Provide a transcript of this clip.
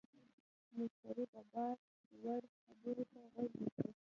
مشتری د باور وړ خبرو ته غوږ نیسي.